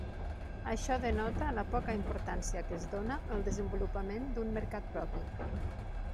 Això denota la poca importància que es dóna al desenvolupament d'un mercat propi.